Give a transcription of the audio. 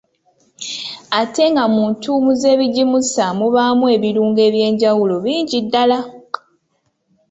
Ate nga mu ntuumu z’ebijimusa mubaamu ebirungo ebyenjawulo bingi ddala.